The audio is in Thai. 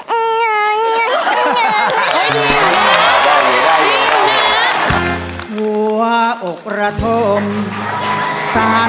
อื้อง้าง้าง้าง้า